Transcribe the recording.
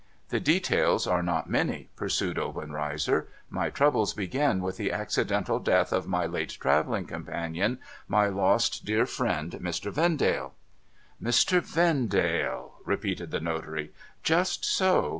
' The details are not many,' pursued Obenreizer. * My troubles begin with the accidental death of my late travelling companion, my lost dear friend Mr. Vendale.' ' Mr, Vendale,' repeated the notary. ' Just so.